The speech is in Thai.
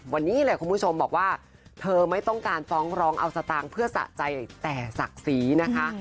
วันนี้เลยคุณผู้ชมบอกว่าเธอไม่ต้องการฟ้องร้องเอาสตางค์เพื่อสะใจแต่ศักดิ์ศรีนะคะ